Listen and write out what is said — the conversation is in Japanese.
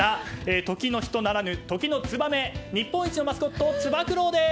時の人ならぬ時のツバメ日本一のマスコットつば九郎です！